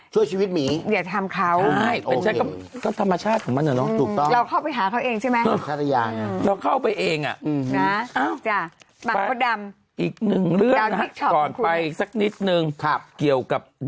ช่วยชีวิตเหมียว